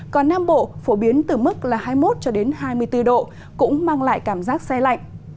còn nam bộ phổ biến từ mức hai mươi một hai mươi bốn độ cũng mang lại cảm giác say lạnh